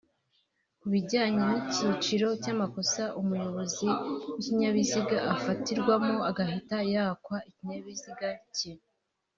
Ku bijyanye n’icyiciro cy’amakosa umuyobozi w’ikinyabiziga afatirwamo agahita yakwa ikinyabiziga cye